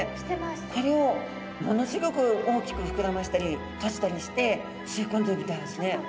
これをものすギョく大きく膨らましたり閉じたりして吸い込んでるみたいですね。